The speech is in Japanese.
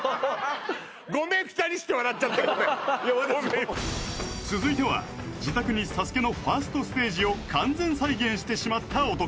ごめん２人して笑っちゃってごめん続いては自宅にＳＡＳＵＫＥのファーストステージを完全再現してしまった男